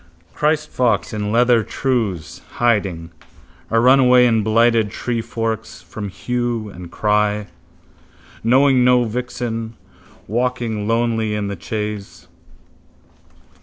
Christfox in leather trews, hiding, a runaway in blighted treeforks, from hue and cry. Knowing no vixen, walking lonely in the chase.